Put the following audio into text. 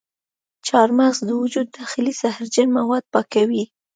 چارمغز د وجود داخلي زهرجن مواد پاکوي.